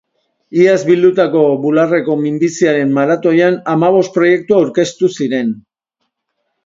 Iaz bildutako bularreko minbiziaren maratoian hamabost proiektu aurkeztu ziren.